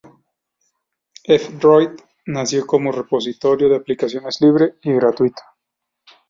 F-Droid nació como repositorio de aplicaciones libre y gratuito.